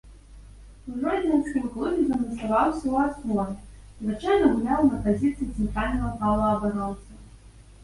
У жодзінскім клубе замацаваўся ў аснове, звычайна гуляў на пазіцыі цэнтральнага паўабаронцы.